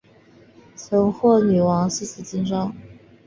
曾获女王诗词金章。